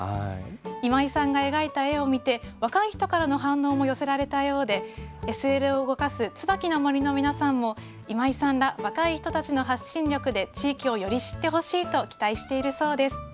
今井さんが描いた絵を見て、若い人からの反応も寄せられたようで、ＳＬを動かす椿の森の皆さんも、今井さんら、若い人たちの発信力で、地域をより知ってほしいと期待しているそうです。